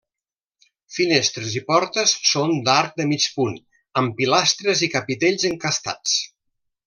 Finestres i portes són d'arc de mig punt, amb pilastres i capitells encastats.